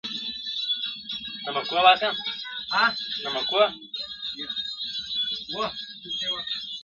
ما به شپېلۍ ږغول-